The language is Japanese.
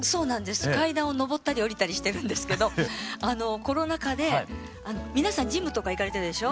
階段を上ったり下りたりしてるんですけどコロナ禍で皆さんジムとか行かれてるでしょ？